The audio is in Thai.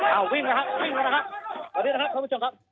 อ้าววิ่งนะครับวิ่งกันนะครับตอนนี้นะครับคุณผู้ชมครับ